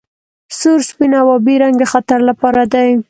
سور سپین او ابي رنګ د خطر لپاره دي.